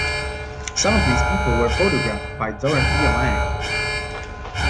Some of these people were photographed by Dorothea Lange.